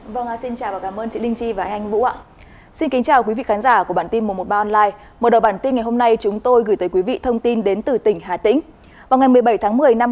vào ngày một mươi bảy tháng một mươi năm hai nghìn một mươi bảy cơ quan an ninh điều tra công an tỉnh hà tĩnh